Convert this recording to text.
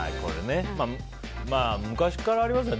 まあ、昔からありますよね。